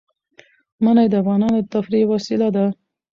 منی د افغانانو د تفریح یوه وسیله ده.